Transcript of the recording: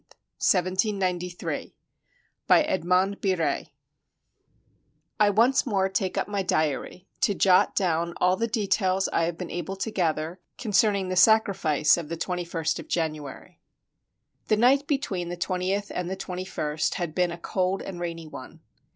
THE EXECUTION OF LOUIS XVI BY EDMOND EIRE I ONCE more take up my diary to jot down all the de tails I have been able to gather concerning the sacrifice of the 2ist of January. The night between the 20th and the 21st had been a cold and rainy one.